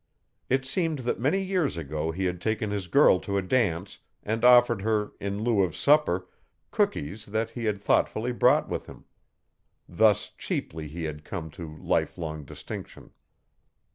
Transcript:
It seemed that many years ago he had taken his girl to a dance and offered her, in lieu of supper, cookies that he had thoughtfully brought with him. Thus cheaply he had come to life long distinction.